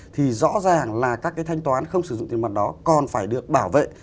thì rõ ràng là các cái thanh toán không sử dụng tiền mặt đó còn phải được bảo vệ